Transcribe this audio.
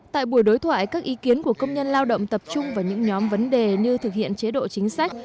tại buổi đối thoại các ý kiến của công nhân lao động tập trung vào những nhóm vấn đề như thực hiện chế độ chính sách